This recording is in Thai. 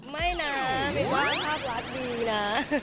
ไม่นะเป็นว่าภาพลักษณ์ดีนะ